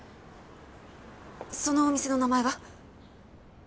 そのお店の名前は？